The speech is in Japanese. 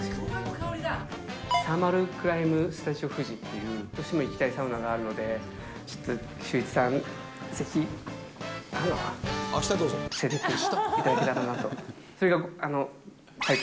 サーマルクライムスタジオ富士っていう、どうしても行きたいサウナがあるので、ちょっとシューイチさん、ぜひ、連れて行っていただけたらなと。